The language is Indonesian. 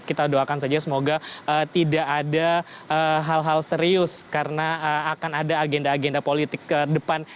kita doakan saja semoga tidak ada hal hal serius karena akan ada agenda agenda politik ke depan